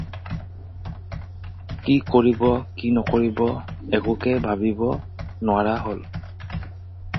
কি কৰিব, কি নকৰিব একোকে ভাবিব নোৱৰা হ'ল।